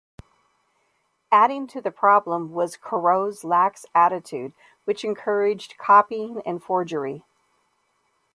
Adding to the problem was Corot's lax attitude which encouraged copying and forgery.